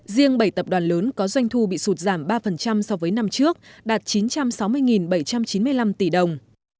riêng bảy tập đoàn lớn có doanh thu bị sụt giảm ba so với năm trước đạt chín trăm sáu mươi bảy trăm chín mươi năm tỷ đồng